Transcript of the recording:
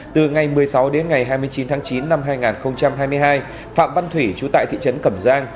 từ ngày một mươi sáu đến ngày hai mươi chín tháng chín năm hai nghìn hai mươi hai phạm văn thủy chú tại thị trấn cẩm giang